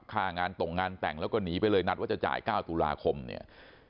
ค่างานตรงงานแต่งแล้วก็หนีไปเลยนัดว่าจะจ่าย๙ตุลาคมเนี่ย